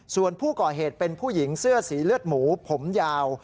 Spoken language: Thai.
ส่วนผู้ก่อเหตุเป็นผู้หญิงเสื้อสีเลือดหมูผมยาว